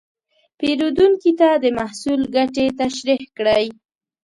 پیرودونکي ته د محصول ګټې تشریح کړئ.